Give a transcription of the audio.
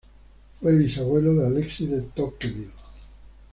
Fue bisabuelo de Alexis de Tocqueville.